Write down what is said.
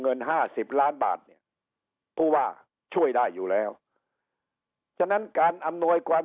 ห้าสิบล้านบาทเนี่ยผู้ว่าช่วยได้อยู่แล้วฉะนั้นการอำนวยความ